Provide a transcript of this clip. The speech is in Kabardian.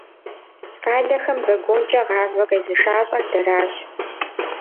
Къалэхэм вагонкӏэ гъавэ къезышалӏэр дэращ.